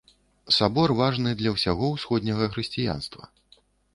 Сабор важны для ўсяго ўсходняга хрысціянства.